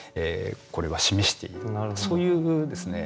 これは示しているそういうですね